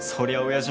親父？